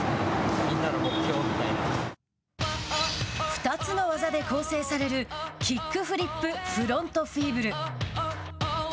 ２つの技で構成されるキックフリップ・フロントフーブル。